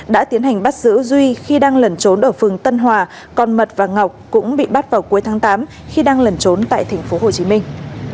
đã tiến hành bắt giữ duy khi đang lẩn trốn ở phường tân hòa còn mật và ngọc cũng bị bắt vào cuối tháng tám khi đang lẩn trốn tại thành phố hồ chí minh